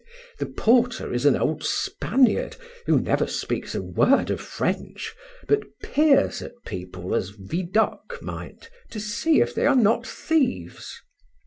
The porter is an old Spaniard, who never speaks a word of French, but peers at people as Vidocq might, to see if they are not thieves.